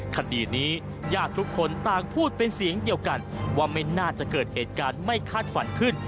คดีนี้ญาติทุกคนต่างพูดเป็นเสียงเดียวกันว่าไม่น่าจะเกิดเหตุการณ์ไม่คาดฝันขึ้น